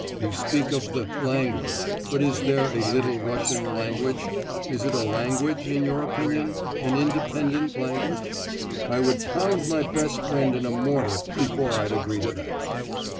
You speak of the "language."... But is there a Little Russian language? Is it a language, in your opinion? an independent language? I would pound my best friend in a mortar before I'd agree to that.